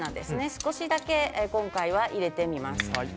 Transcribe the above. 少しだけ今回は入れてみます。